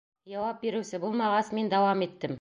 Яуап биреүсе булмағас, мин дауам иттем: